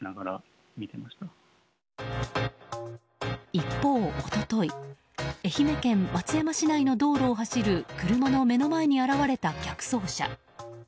一方、一昨日愛媛県松山市内の道路を走る車の目の前に現れた逆走車。